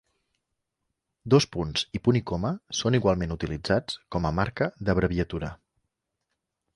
ঃ i ং són igualment utilitzats com marca d'abreviatura.